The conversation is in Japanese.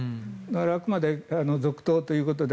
あくまで続投ということで。